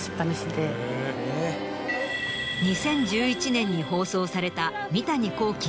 ２０１１年に放送された三谷幸喜